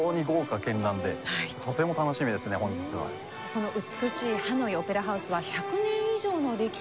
この美しいハノイオペラハウスは１００年以上の歴史があります